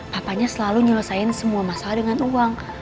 papanya selalu nyelesaikan semua masalah dengan uang